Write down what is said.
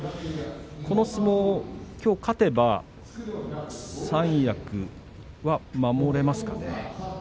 この相撲、きょう勝てば三役は守れますかね。